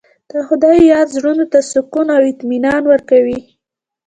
د خدای یاد زړونو ته سکون او اطمینان ورکوي.